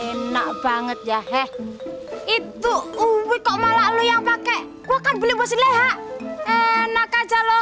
enak banget ya he itu uwi kok malah lu yang pake buka beli beli lehat enaka jaloh